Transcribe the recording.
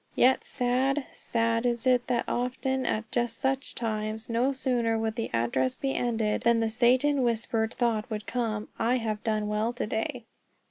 Yet sad, sad is it that often at just such times, no sooner would the address be ended than the Satan whispered thought would come, "I have done well to day."